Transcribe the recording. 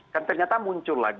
kan ternyata muncul